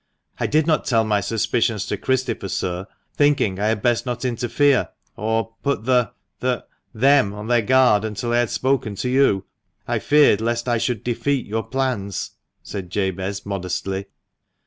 " I did not tell my suspicions to Christopher, sir, thinking I had best not interfere, or put the — the — them on their guard until I had spoken to you. I feared lest I should defeat your plans," said Jabez, modestly.